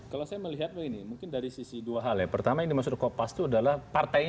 kami akan segera kembali